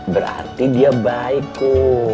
berarti dia baik po